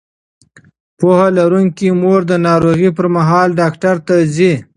پوهه لرونکې مور د ناروغۍ پر مهال ډاکټر ته ځي.